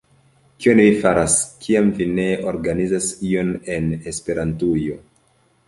Kion vi faras, kiam vi ne organizas ion en Esperantujo?